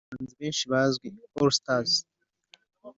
“Go Highier” irimo abahanzi benshi bazwi (All Stars)